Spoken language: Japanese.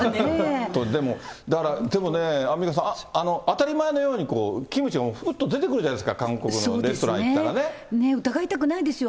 でもだから、でもね、アンミカさん、当たり前のようにキムチも、ぽっと出てくるじゃないですか、疑いたくないですよ。